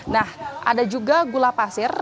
nah ada juga gula pasir